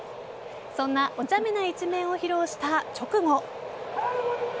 そんなおちゃめな一面を披露した直後。